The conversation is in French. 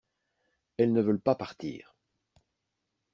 Elles ne veulent pas partir.